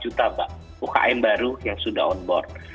umkm baru yang sudah on board